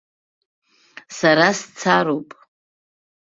Сара сцароуп.